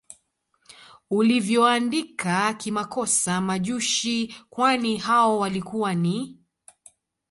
ulivyoandika kimakosa Majushi kwani hao walikuwa ni